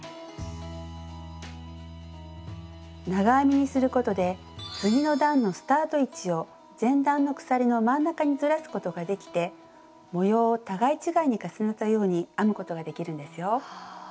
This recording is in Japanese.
長編みにすることで次の段のスタート位置を前段の鎖の真ん中にずらすことができて模様を互い違いに重ねたように編むことができるんですよ。